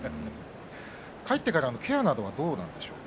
帰ってからのケアなどはどうでしょうか？